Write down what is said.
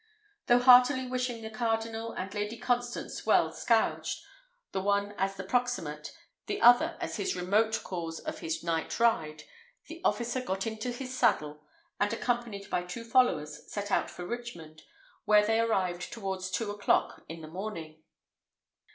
Though heartily wishing the cardinal and Lady Constance well scourged, the one as the proximate, the other as the remote cause of his night ride, the officer got into his saddle, and accompanied by two followers, set out for Richmond, where they arrived towards two o'clock in the morning.